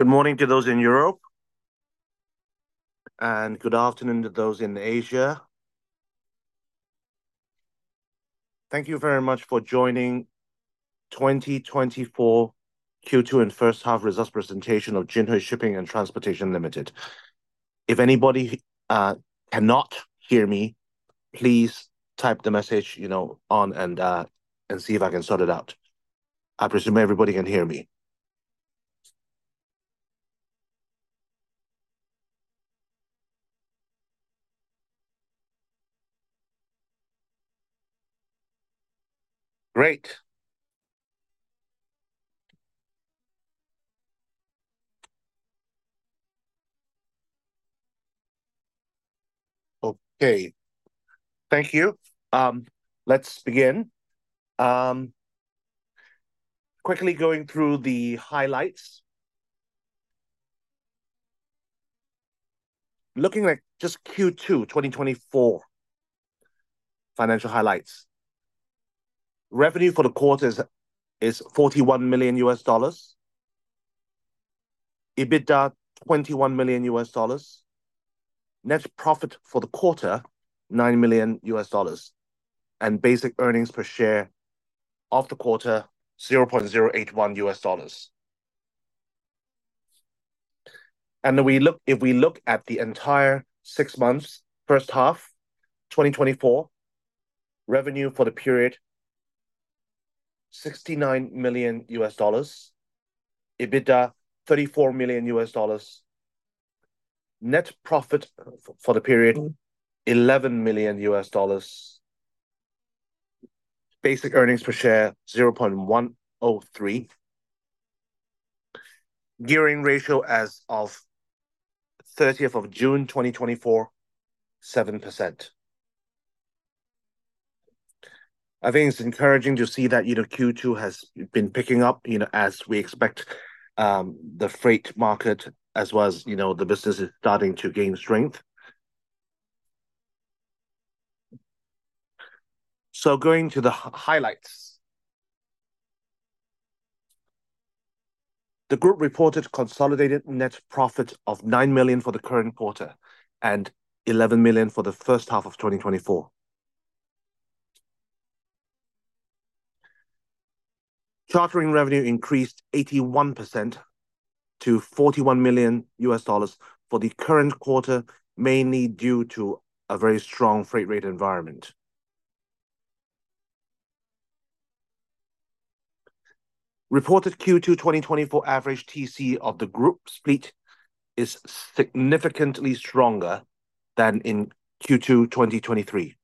Good morning to those in Europe, and good afternoon to those in Asia. Thank you very much for joining 2024 Q2 and first half results presentation of Jinhui Shipping and Transportation Limited. If anybody cannot hear me, please type the message, you know, on and see if I can sort it out. I presume everybody can hear me. Great. Okay. Thank you. Let's begin. Quickly going through the highlights. Looking at just Q2 2024 financial highlights. Revenue for the quarter is $41 million. EBITDA $21 million. Net profit for the quarter $9 million, and basic earnings per share of the quarter $0.081. If we look at the entire six months, first half 2024, revenue for the period $69 million. EBITDA $34 million. Net profit for the period, $11 million. Basic earnings per share, 0.103. Gearing ratio as of 30th of June 2024, 7%. I think it's encouraging to see that, you know, Q2 has been picking up, you know, as we expect, the freight market as well as, you know, the business is starting to gain strength. So going to the highlights. The group reported consolidated net profit of $9 million for the current quarter and $11 million for the first half of 2024. Chartering revenue increased 81% to $41 million for the current quarter, mainly due to a very strong freight rate environment. Reported Q2 2024 average TC of the group's fleet is significantly stronger than in Q2 2023.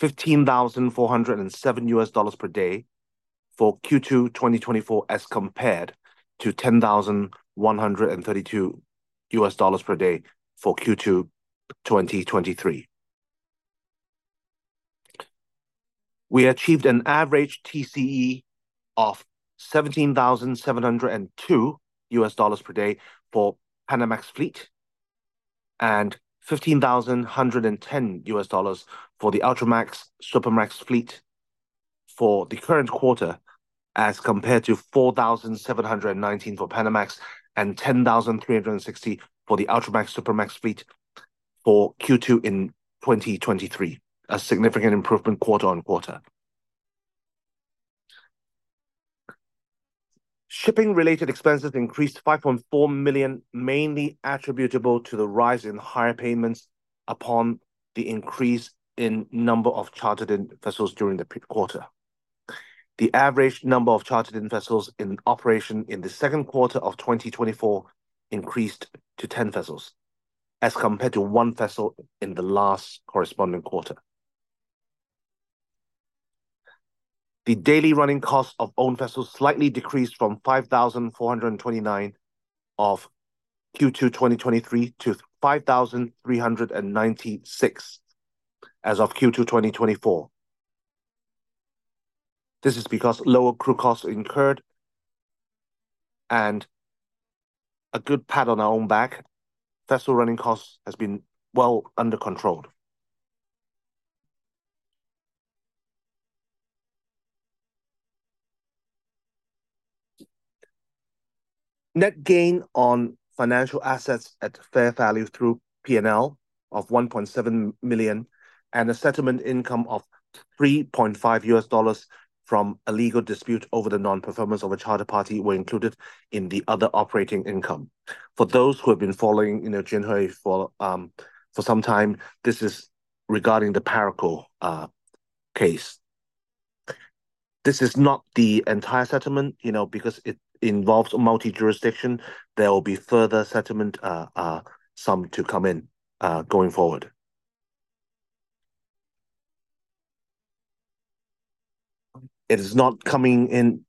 It increased 52% to $15,407 per day for Q2 2024, as compared to $10,132 per day for Q2 2023. We achieved an average TCE of $17,702 per day for Panamax fleet, and $15,110 for the Ultramax, Supramax fleet for the current quarter, as compared to $4,719 for Panamax and $10,360 for the Ultramax, Supramax fleet for Q2 2023, a significant improvement quarter-on-quarter. Shipping-related expenses increased $5.4 million, mainly attributable to the rise in higher payments upon the increase in number of chartered in vessels during the quarter. The average number of chartered in vessels in operation in the second quarter of 2024 increased to 10 vessels, as compared to one vessel in the last corresponding quarter. The daily running cost of owned vessels slightly decreased from $5,429 of Q2 2023 to $5,396 as of Q2 2024. This is because lower crew costs are incurred and a good pat on our own back, vessel running costs has been well under control. Net gain on financial assets at fair value through P&L of $1.7 million and a settlement income of $3.5 from a legal dispute over the non-performance of a charter party were included in the other operating income. For those who have been following, you know, Jinhui for some time, this is regarding the Parakou case. This is not the entire settlement, you know, because it involves multi-jurisdiction. There will be further settlement, some to come in, going forward. It is not coming in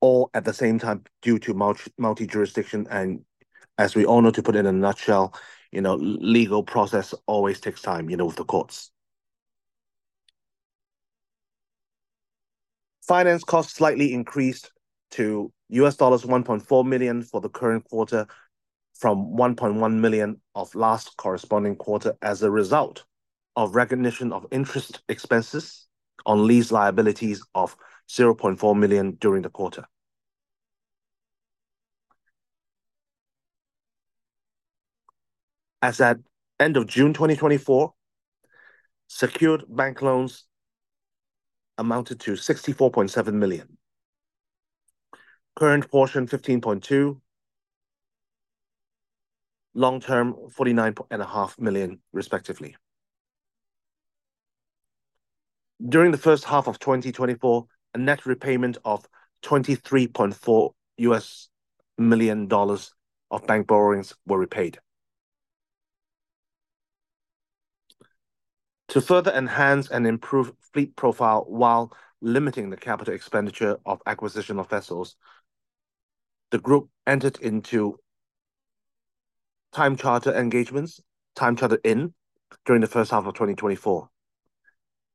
all at the same time due to multi-jurisdiction, and as we all know, to put it in a nutshell, you know, legal process always takes time, you know, with the courts. Finance costs slightly increased to $1.4 million for the current quarter from $1.1 million of last corresponding quarter as a result of recognition of interest expenses on lease liabilities of $0.4 million during the quarter. As at end of June 2024, secured bank loans amounted to $64.7 million. Current portion, $15.2 million. Long-term, $49.5 million, respectively. During the first half of 2024, a net repayment of $23.4 million of bank borrowings were repaid. To further enhance and improve fleet profile while limiting the capital expenditure of acquisition of vessels, the group entered into time charter engagements, time charter in, during the first half of 2024,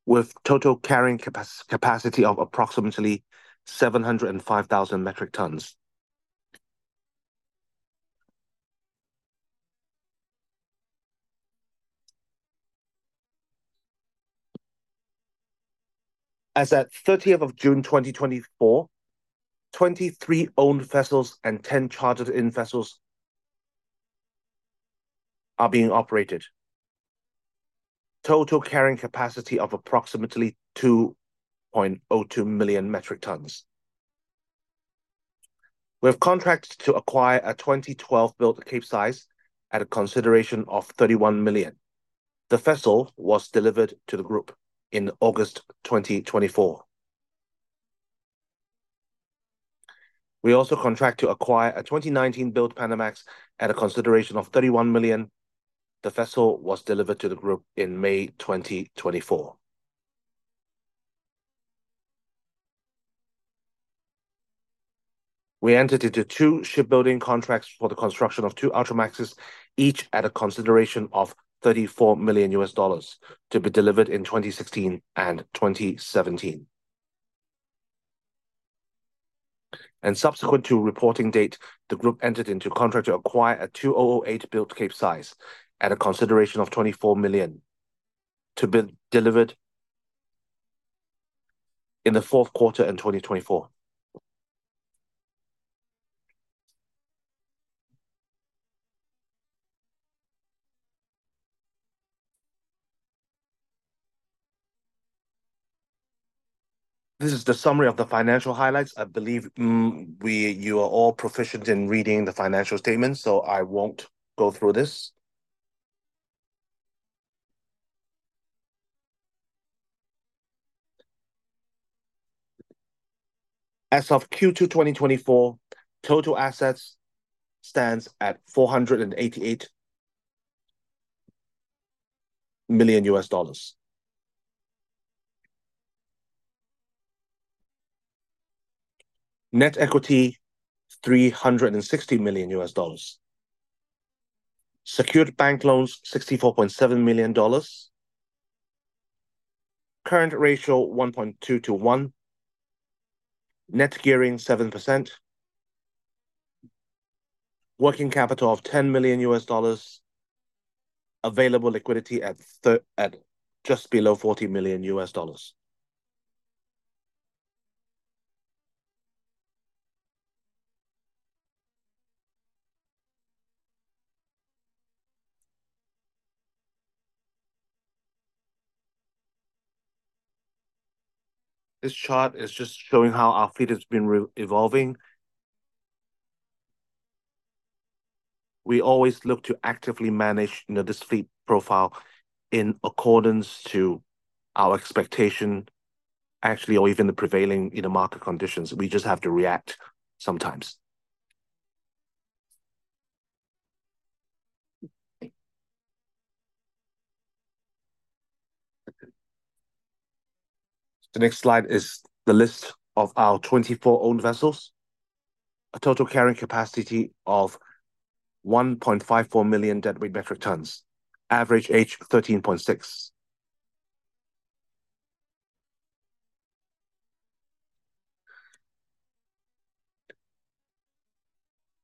with total carrying capacity of approximately 705,000 metric tons. As at 30th of June 2024, 23 owned vessels and 10 chartered in vessels are being operated. Total carrying capacity of approximately 2.2 million metric tons. We have contract to acquire a 2012-built Capesize at a consideration of $31 million. The vessel was delivered to the group in August 2024. We also contract to acquire a 2019-built Panamax at a consideration of $31 million. The vessel was delivered to the group in May 2024. We entered into two shipbuilding contracts for the construction of two Ultramaxes, each at a consideration of $34 million, to be delivered in 2016 and 2017. Subsequent to reporting date, the group entered into contract to acquire a 2008-built Capesize at a consideration of $24 million, to be delivered in the fourth quarter in 2024. This is the summary of the financial highlights. I believe, you are all proficient in reading the financial statements, so I won't go through this. As of Q2, 2024, total assets stands at $488 million. Net equity, $360 million. Secured bank loans, $64.7 million. Current ratio, 1.2x. Net gearing, 7%. Working capital of $10 million. Available liquidity at just below $40 million. This chart is just showing how our fleet has been evolving. We always look to actively manage, you know, this fleet profile in accordance to our expectation, actually, or even the prevailing in the market conditions. We just have to react sometimes. The next slide is the list of our 24 owned vessels, a total carrying capacity of 1.54 million deadweight metric tons. Average age, 13.6.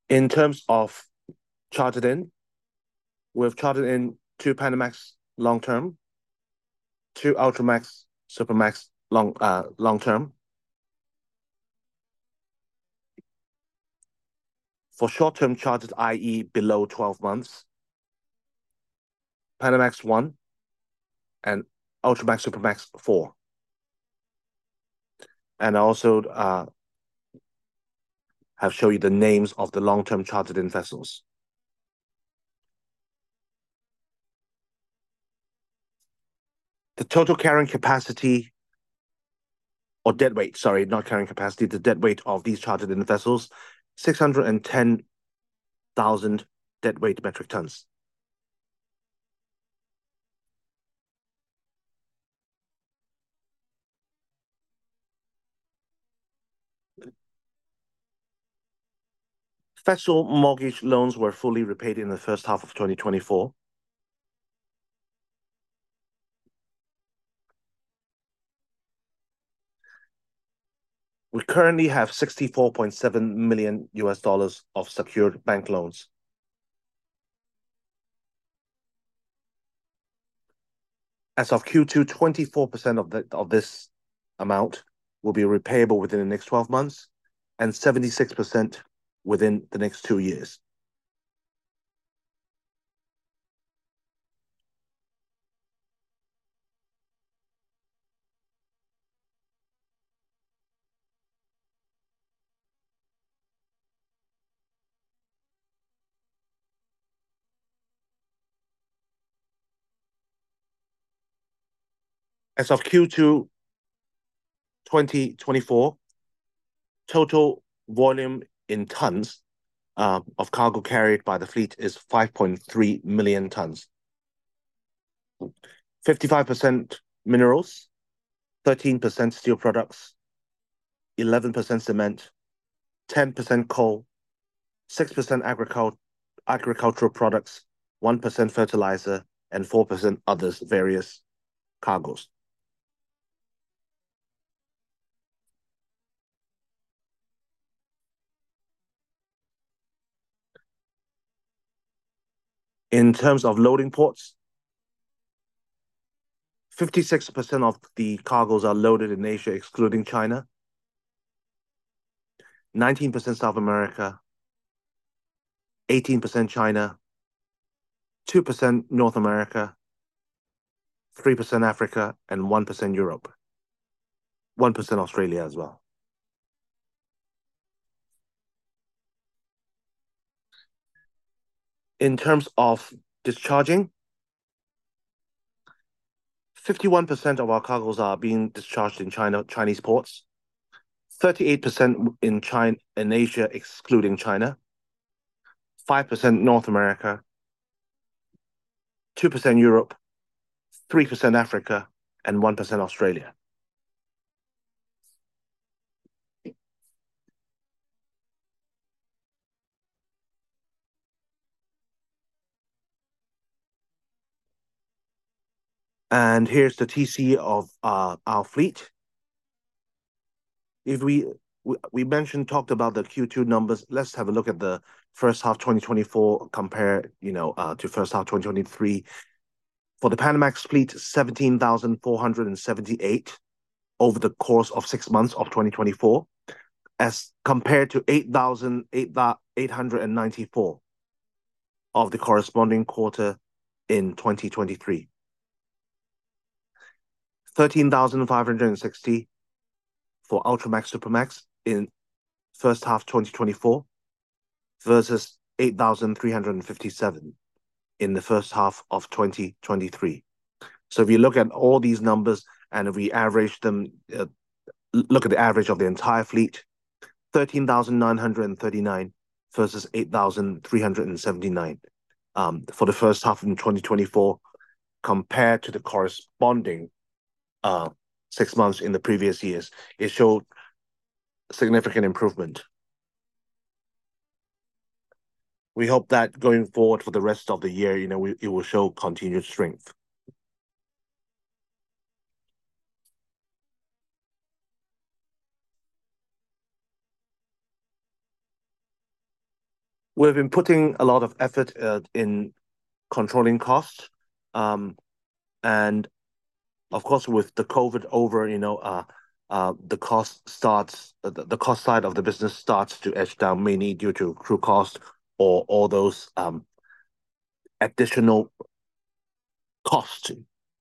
In terms of chartered in, we've chartered in 2 Panamax long term, 2 Ultramax, Supramax long term. For short-term chartered, i.e., below 12 months, Panamax, 1, and Ultramax, Supramax, 4. And also, I've showed you the names of the long-term chartered in vessels. The total carrying capacity or deadweight, sorry, not carrying capacity, the deadweight of these chartered in vessels, 610,000 deadweight metric tons. Vessel mortgage loans were fully repaid in the first half of 2024. We currently have $64.7 million of secured bank loans. As of Q2, 24% of this amount will be repayable within the next 12 months, and 76% within the next two years. As of Q2 2024, total volume in tons of cargo carried by the fleet is 5.3 million tons. 55% minerals, 13% steel products, 11% cement, 10% coal, 6% agricultural products, 1% fertilizer, and 4% others, various cargos. In terms of loading ports, 56% of the cargos are loaded in Asia, excluding China, 19% South America, 18% China, 2% North America, 3% Africa, and 1% Europe, 1% Australia as well. In terms of discharging, 51% of our cargos are being discharged in China, Chinese ports, 38% in Asia, excluding China, 5% North America, 2% Europe, 3% Africa, and 1% Australia. Here's the TC of our fleet. If we mentioned, talked about the Q2 numbers, let's have a look at the first half, 2024, compare, you know, to first half, 2023. For the Panamax fleet, $17,478 over the course of six months of 2024, as compared to $8,894 of the corresponding quarter in 2023. $13, 560 for Ultramax, Supramax in first half, 2024, versus $8,357 in the first half of 2023. So if you look at all these numbers and if we average them, look at the average of the entire fleet, $13,939 versus $8,379 for the first half in 2024, compared to the corresponding six months in the previous years, it showed significant improvement. We hope that going forward for the rest of the year, you know, it will show continued strength. We've been putting a lot of effort in controlling costs. And of course, with the COVID over, you know, the cost side of the business starts to edge down, mainly due to crew costs or all those additional costs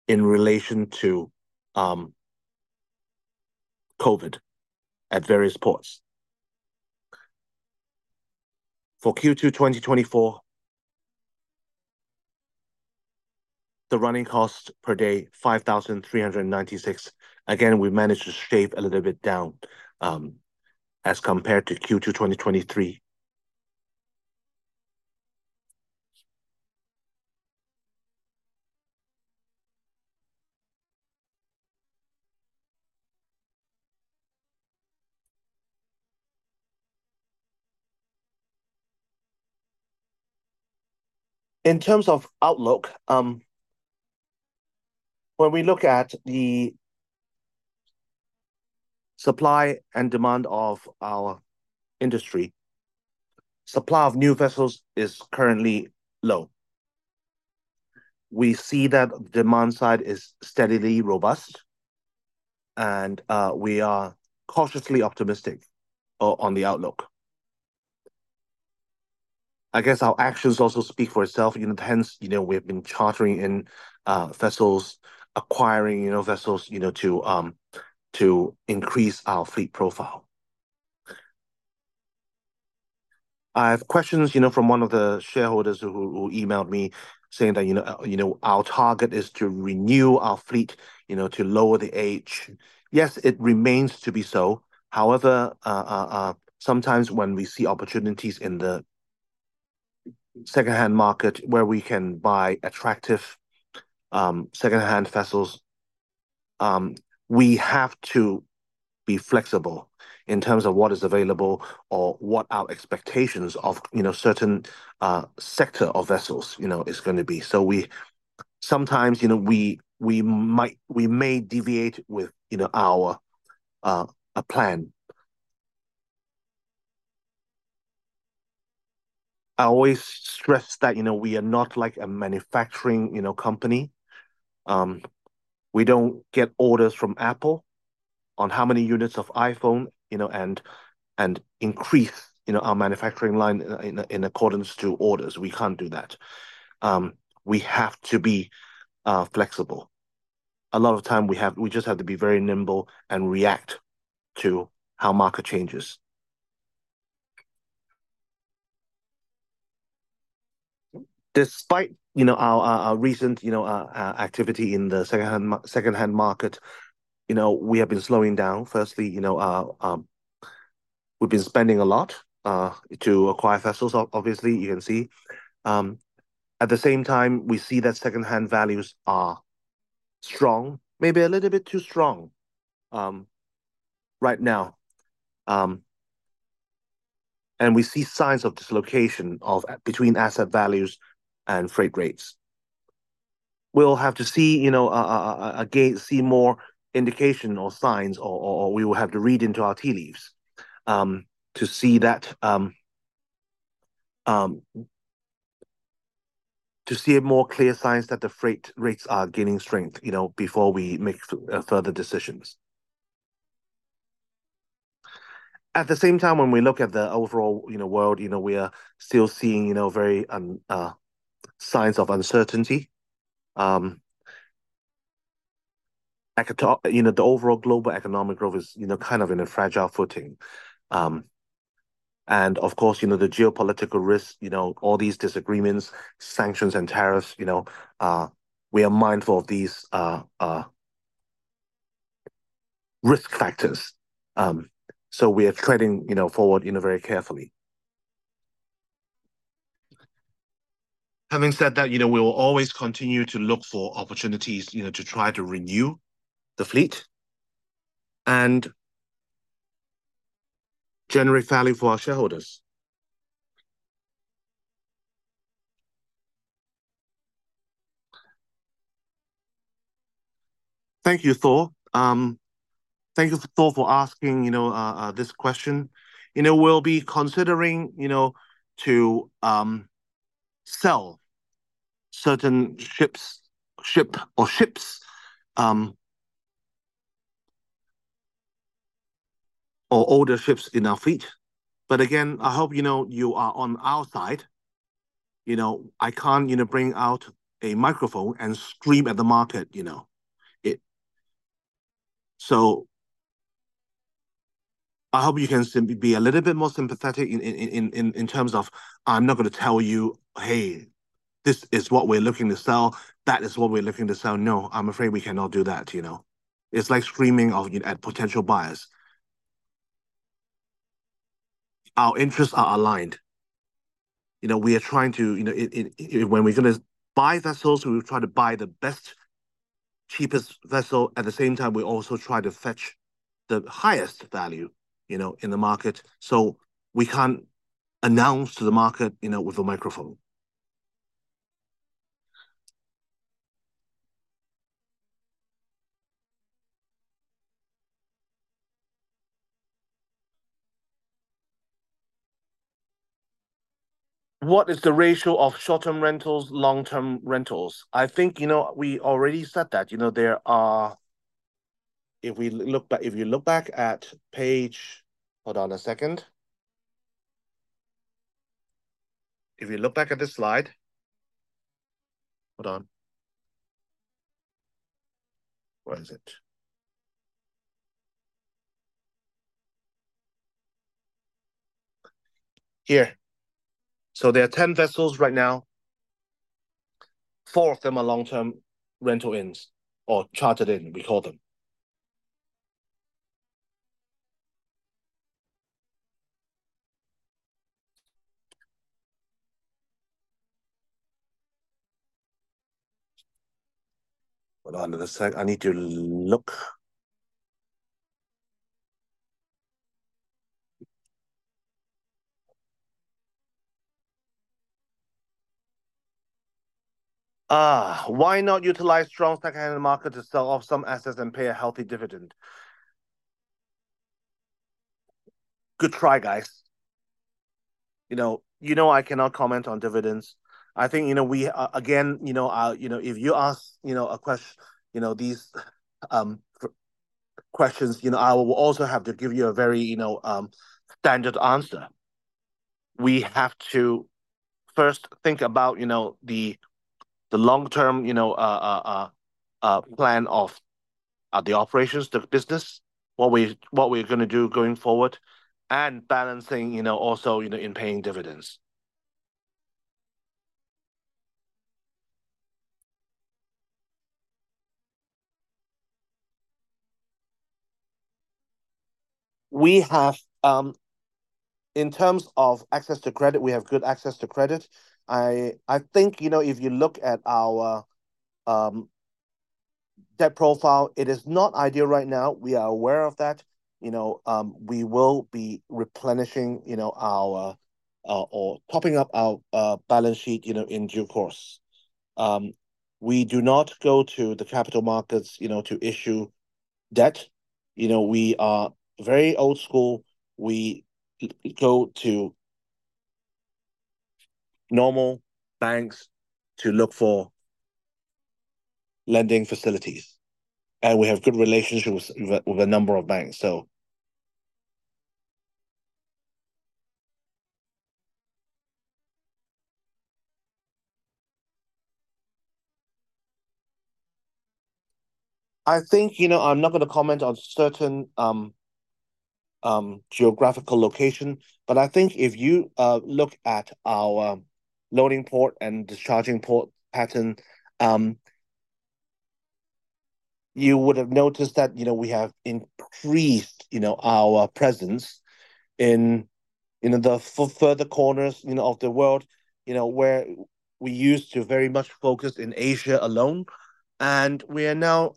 in relation to COVID at various ports. For Q2, 2024, the running cost per day $5,396. Again, we managed to shave a little bit down as compared to Q2, 2023. In terms of outlook, when we look at the supply and demand of our industry, supply of new vessels is currently low. We see that demand side is steadily robust, and we are cautiously optimistic on the outlook. I guess our actions also speak for itself, you know, hence, you know, we have been chartering in vessels, acquiring, you know, vessels, you know, to to increase our fleet profile. I have questions, you know, from one of the shareholders who emailed me saying that, you know, you know, our target is to renew our fleet, you know, to lower the age. Yes, it remains to be so. However, sometimes when we see opportunities in the secondhand market where we can buy attractive secondhand vessels, we have to be flexible in terms of what is available or what our expectations of, you know, certain sector of vessels, you know, is gonna be. Sometimes, you know, we might, we may deviate with, you know, our plan. I always stress that, you know, we are not like a manufacturing, you know, company. We don't get orders from Apple on how many units of iPhone, you know, and increase, you know, our manufacturing line in accordance to orders. We can't do that. We have to be flexible. A lot of time we just have to be very nimble and react to how market changes. Despite, you know, our recent, you know, activity in the secondhand market, you know, we have been slowing down. Firstly, you know, we've been spending a lot to acquire vessels, obviously, you can see. At the same time, we see that secondhand values are strong, maybe a little bit too strong, right now. And we see signs of dislocation of, between asset values and freight rates. We'll have to see, you know, again, see more indication or signs or we will have to read into our tea leaves, to see that. To see a more clear signs that the freight rates are gaining strength, you know, before we make, further decisions. At the same time, when we look at the overall, you know, world, you know, we are still seeing, you know, very signs of uncertainty. You know, the overall global economic growth is, you know, kind of in a fragile footing. And of course, you know, the geopolitical risks, you know, all these disagreements, sanctions and tariffs, you know, we are mindful of these, risk factors. So we are treading, you know, forward, you know, very carefully. Having said that, you know, we will always continue to look for opportunities, you know, to try to renew the fleet and generate value for our shareholders. Thank you, Thor. Thank you, Thor, for asking, you know, this question. You know, we'll be considering, you know, to sell certain ships or older ships in our fleet. But again, I hope, you know, you are on our side. You know, I can't, you know, bring out a microphone and scream at the market, you know? So I hope you can be a little bit more sympathetic in terms of, I'm not gonna tell you, "Hey, this is what we're looking to sell. That is what we're looking to sell." No, I'm afraid we cannot do that, you know. It's like screaming on, at potential buyers. Our interests are aligned. You know, we are trying to, you know, if when we're gonna buy vessels, we try to buy the best, cheapest vessel. At the same time, we also try to fetch the highest value, you know, in the market, so we can't announce to the market, you know, with a microphone. What is the ratio of short-term rentals, long-term rentals? I think, you know, we already said that. You know, there are. If we look back, if you look back at page. Hold on a second. If you look back at this slide. Hold on. Where is it? Here. So there are ten vessels right now. Four of them are long-term charter-ins or chartered in, we call them. Hold on just a sec, I need to look. Why not utilize strong secondhand market to sell off some assets and pay a healthy dividend? Good try, guys. You know, I cannot comment on dividends. I think, you know, we, again, you know, if you ask, you know, these questions, you know, I will also have to give you a very, you know, standard answer. We have to first think about, you know, the long-term, you know, plan of the operations, the business, what we, what we're gonna do going forward, and balancing, you know, also, you know, in paying dividends. We have, in terms of access to credit, we have good access to credit. I think, you know, if you look at our... Debt profile, it is not ideal right now. We are aware of that. You know, we will be replenishing, you know, our, or topping up our, balance sheet, you know, in due course. We do not go to the capital markets, you know, to issue debt. You know, we are very old school. We go to normal banks to look for lending facilities, and we have good relationships with a number of banks, so. I think, you know, I'm not gonna comment on certain geographical location. But I think if you look at our loading port and discharging port pattern, you would have noticed that, you know, we have increased, you know, our presence in, you know, the further corners, you know, of the world. You know, where we used to very much focus in Asia alone, and we are now,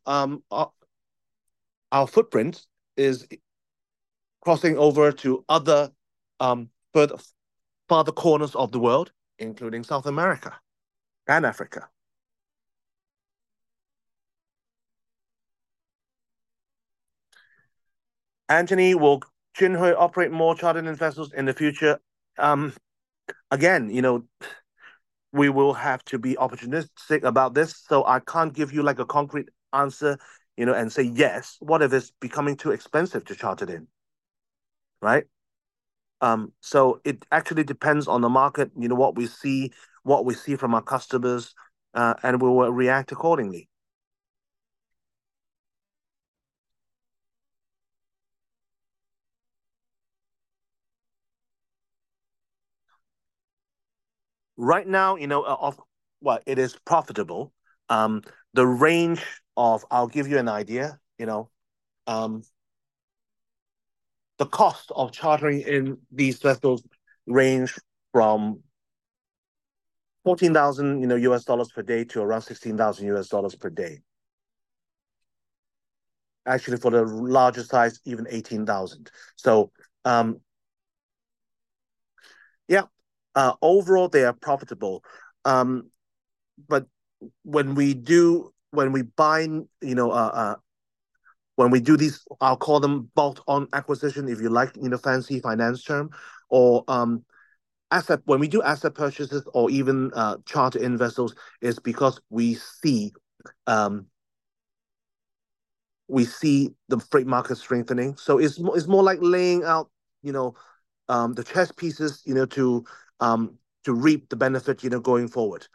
our footprint is crossing over to other, farther corners of the world, including South America and Africa. Anthony, will Jinhui operate more chartered-in vessels in the future? Again, you know, we will have to be opportunistic about this, so I can't give you, like, a concrete answer, you know, and say, "Yes." What if it's becoming too expensive to charter in, right? So it actually depends on the market, you know, what we see from our customers, and we will react accordingly. Right now, you know, Well, it is profitable. The range of-- I'll give you an idea, you know. The cost of chartering in these vessels range from $14,000, you know, per day to around $16,000 per day. Actually, for the larger size, even $18,000. So, yeah, overall, they are profitable. But when we do these, I'll call them bolt-on acquisition, if you like, in a fancy finance term, or when we do asset purchases or even charter-in vessels, it's because we see the freight market strengthening. So it's more like laying out, you know, the chess pieces, you know, to reap the benefit, you know, going forward.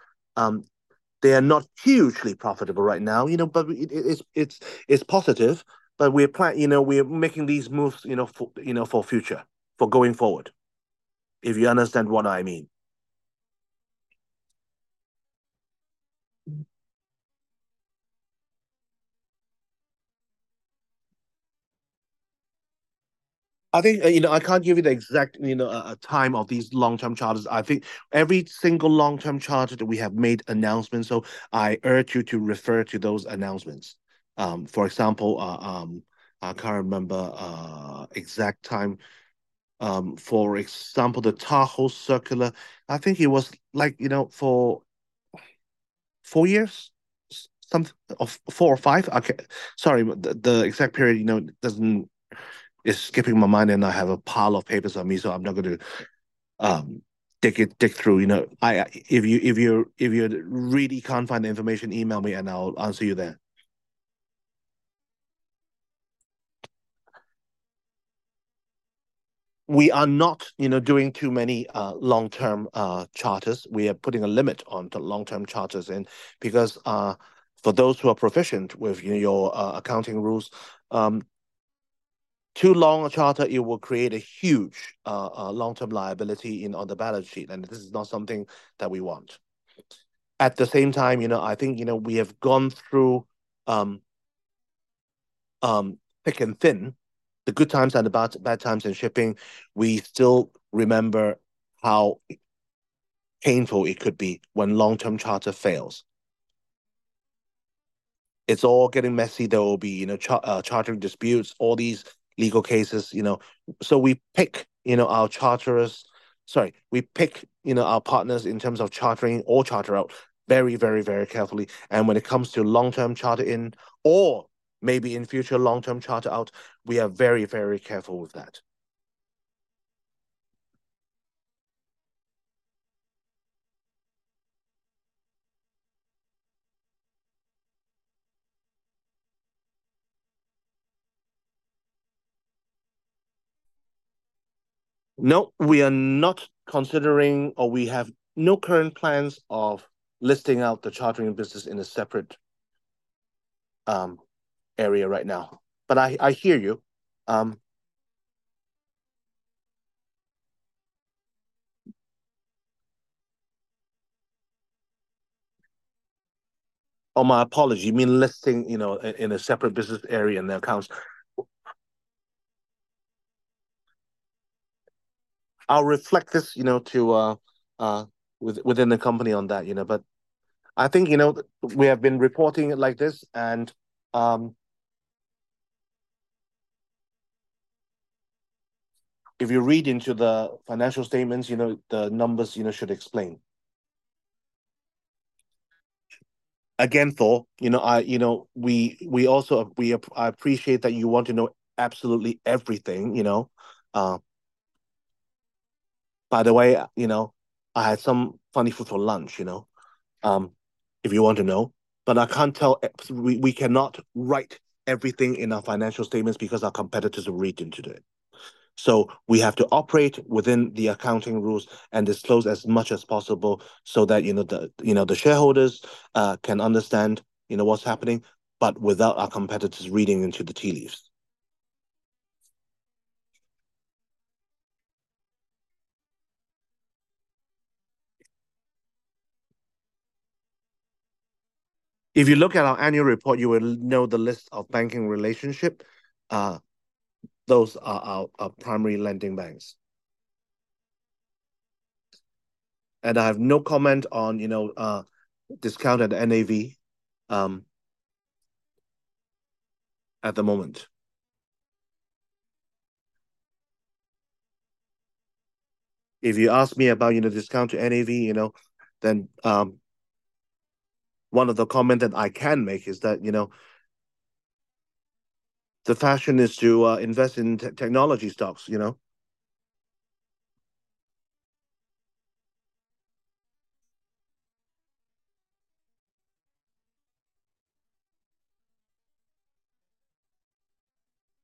They are not hugely profitable right now, you know, but it's positive. But we're, you know, we're making these moves, you know, for, you know, for future, for going forward, if you understand what I mean. I think, you know, I can't give you the exact, you know, time of these long-term charters. I think every single long-term charter that we have made announcements, so I urge you to refer to those announcements. For example, I can't remember exact time. For example, the Taho Circular, I think it was like, you know, for four years, some of four or five. Okay, sorry, but the exact period, you know, doesn't... It's skipping my mind, and I have a pile of papers on me, so I'm not going to dig through, you know. If you really can't find the information, email me, and I'll answer you there. We are not, you know, doing too many long-term charters. We are putting a limit on the long-term charters in because, for those who are proficient with, you know, your accounting rules, too long a charter, it will create a huge long-term liability in, on the balance sheet, and this is not something that we want. At the same time, you know, I think, you know, we have gone through thick and thin, the good times and the bad, bad times in shipping. We still remember how painful it could be when long-term charter fails. It's all getting messy. There will be, you know, charter disputes, all these legal cases, you know. So we pick, you know, our charterers, sorry, we pick, you know, our partners in terms of charter in or charter out very, very, very carefully. And when it comes to long-term charter in or maybe in future long-term charter out, we are very, very careful with that. No, we are not considering, or we have no current plans of listing out the chartering business in a separate, area right now. But I hear you. Oh, my apology. You mean listing, you know, in a separate business area in their accounts? I'll reflect this, you know, to within the company on that, you know. But I think, you know, we have been reporting it like this, and, if you read into the financial statements, you know, the numbers, you know, should explain. Again, Thor, you know, we also appreciate that you want to know absolutely everything, you know. By the way, you know, I had some funny food for lunch, you know, if you want to know, but I can't tell. We cannot write everything in our financial statements because our competitors will read into it. So we have to operate within the accounting rules and disclose as much as possible so that, you know, the shareholders can understand, you know, what's happening, but without our competitors reading into the tea leaves. If you look at our annual report, you will know the list of banking relationship. Those are our primary lending banks. I have no comment on, you know, discounted NAV, at the moment. If you ask me about, you know, discount to NAV, you know, then, one of the comment that I can make is that, you know, the fashion is to, invest in technology stocks, you know?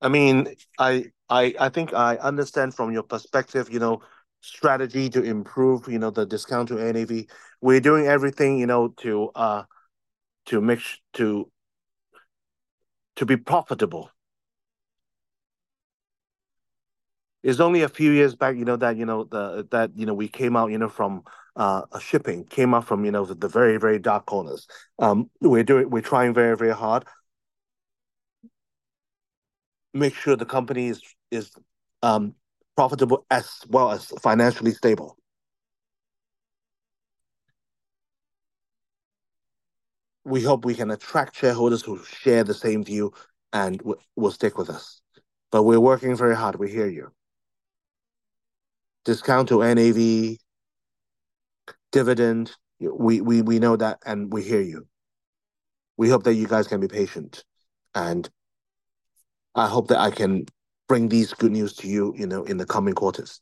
I mean, I think I understand from your perspective, you know, strategy to improve, you know, the discount to NAV. We're doing everything, you know, to, to make sure to be profitable. It's only a few years back, you know, that, you know, the, that, you know, we came out, you know, from, shipping, came out from, you know, the very, very dark corners. We're trying very, very hard to make sure the company is profitable as well as financially stable. We hope we can attract shareholders who share the same view and will stick with us. But we're working very hard. We hear you. Discount to NAV, dividend, we know that and we hear you. We hope that you guys can be patient, and I hope that I can bring these good news to you, you know, in the coming quarters.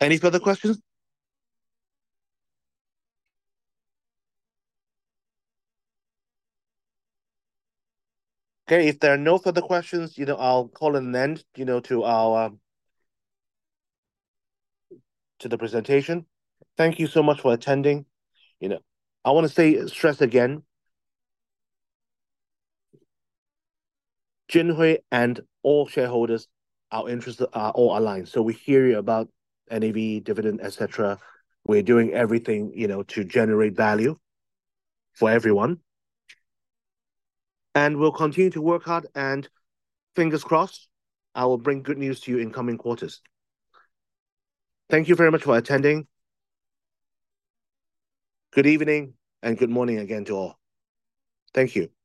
Any further questions? Okay, if there are no further questions, you know, I'll call an end, you know, to our to the presentation. Thank you so much for attending. You know, I want to say, stress again, Jinhui and all shareholders, our interests are all aligned. So we hear you about NAV, dividend, et cetera. We're doing everything, you know, to generate value for everyone, and we'll continue to work hard, and fingers crossed, I will bring good news to you in coming quarters. Thank you very much for attending. Good evening, and good morning again to all. Thank you.